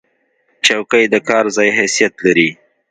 چوکۍ د کار ځای حیثیت لري.